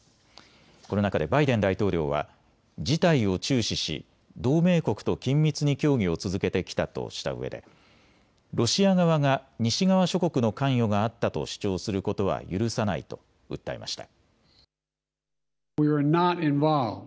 この中でバイデン大統領は事態を注視し同盟国と緊密に協議を続けてきたとしたうえで、ロシア側が西側諸国の関与があったと主張することは許さないと訴えました。